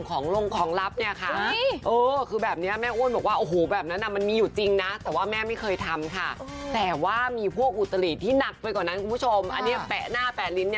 ก็คือว่ามันปกติแล้ว